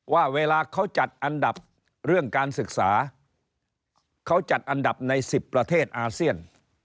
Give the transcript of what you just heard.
ว่าเวลาเขาจัดอันดับเรื่องการศึกษาเขาจัดอันดับใน๑๐ประเทศอาเซียน